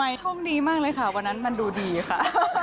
นี้ช่องดีมากเลยค่ะวันนั้นอันนี้มันดูดีค่ะ